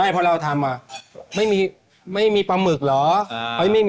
เพราะเราทำไม่มีปลาหมึกเหรอ